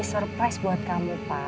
surprise buat kamu pak